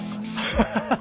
ハハハッ！